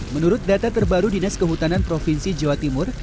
menurut data terbaru dinas kehutanan provinsi jawa timur